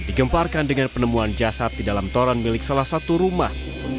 digemparkan dengan penemuan jasad di dalam toran milik salah satu rumah